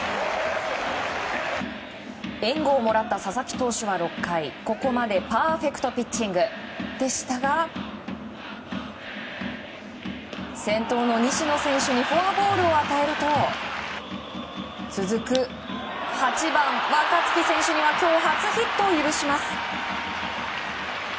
援護をもらった佐々木投手は６回ここまでパーフェクトピッチングでしたが先頭の西野選手にフォアボールを与えると続く８番、若月選手には今日、初ヒットを許します。